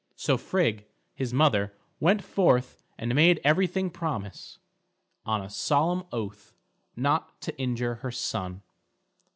So Frigg, his mother, went forth and made everything promise, on a solemn oath, not to injure her son.